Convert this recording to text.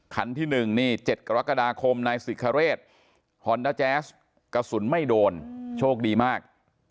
คันที่๑นี่๗กรกฎาคมนายสิคเรศฮอนด้าแจ๊สกระสุนไม่โดนโชคดีมาก